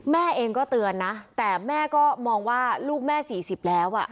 แม่เองก็เตือนนะแต่แม่ก็มองว่าลูกแม่๔๐แล้ว